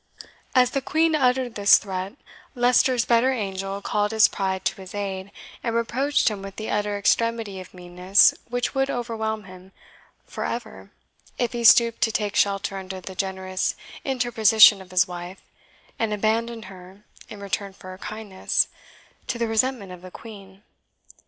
As the Queen uttered this threat, Leicester's better angel called his pride to his aid, and reproached him with the utter extremity of meanness which would overwhelm him for ever if he stooped to take shelter under the generous interposition of his wife, and abandoned her, in return for her kindness, to the resentment of the Queen.